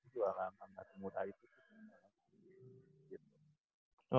jualan gak semudah itu juga